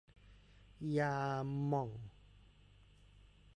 ยาหม่อง